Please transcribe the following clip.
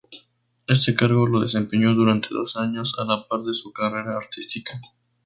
Este cargo lo desempeñó durante doce años a la par de su carrera artística.